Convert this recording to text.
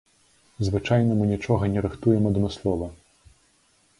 Звычайна мы нічога не рыхтуем адмыслова.